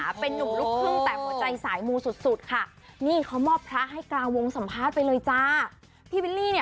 อะไรอย่างนี้ใหญ่จังเลย